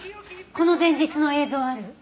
この前日の映像ある？